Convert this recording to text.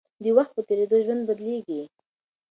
د وخت په تېرېدو ژوند بدلېږي.